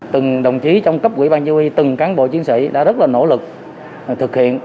từng đồng chí trong cấp quỹ ban chỉ huy từng cán bộ chiến sĩ đã rất là nỗ lực thực hiện